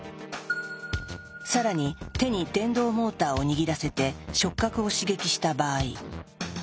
更に手に電動モーターを握らせて触覚を刺激した場合。